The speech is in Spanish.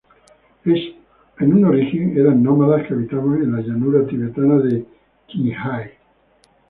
En un origen, eran nómadas que habitaban en la llanura tibetana de Qinghai.